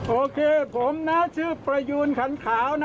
โอเคผมนะชื่อประยูนขันขาวนะ